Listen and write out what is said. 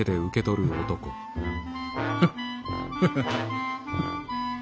フッフハハ。